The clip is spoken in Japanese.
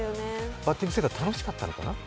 バッティングセンター楽しかったのかな？